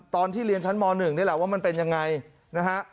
ตอนที่เรียนชั้นม๑นี่แหละว่ามันเป็นยังไงนะฮะ